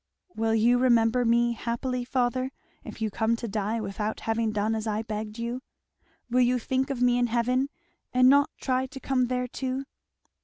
"Will you remember me happily, father, if you come to die without having done as I begged you? Will you think of me in heaven and not try to come there too?